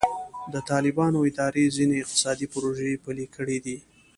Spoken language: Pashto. د طالبانو اداره ځینې اقتصادي پروژې پیل کړي دي.